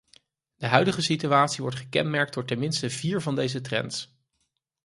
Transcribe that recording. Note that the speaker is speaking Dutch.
De huidige situatie wordt gekenmerkt door ten minste vier van deze trends.